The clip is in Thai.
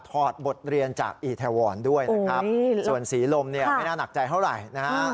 ถอดบทเรียนจากเอเทวอนด้วยนะครับส่วนศรีลมไม่น่าหนักใจเท่าไหร่นะครับ